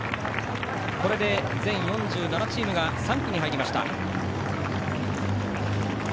これで全４７チームが３区に入りました。